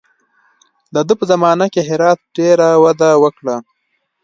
د ده په زمانه کې هرات ډېره وده وکړه.